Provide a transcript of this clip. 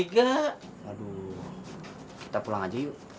kita pulang aja yuk